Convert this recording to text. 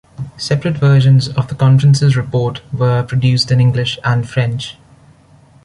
Separate versions of the conference's report were produced in English and French.